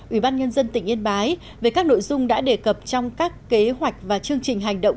ủy ban nhân dân tỉnh yên bái về các nội dung đã đề cập trong các kế hoạch và chương trình hành động